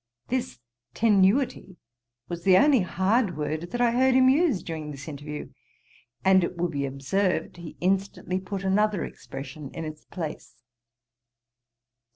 This tenuity was the only hard word that I heard him use during this interview, and it will be observed, he instantly put another expression in its place.